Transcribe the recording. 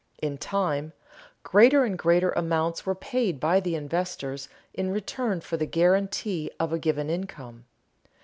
In time, greater and greater amounts were paid by the investors in return for the guarantee of a given income.